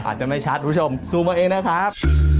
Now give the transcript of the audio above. อาจจะไม่ชัดคุณผู้ชมซูมมาเองนะครับ